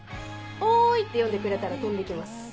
「おい」って呼んでくれたら飛んで来ます。